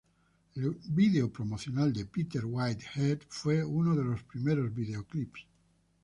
El vídeo promocional de Peter Whitehead fue uno de los primeros videoclips.